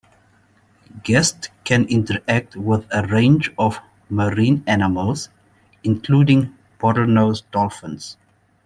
Guests can interact with a range of marine animals including bottlenose dolphins.